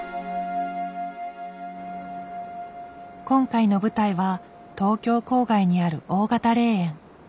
今回の舞台は東京郊外にある大型霊園。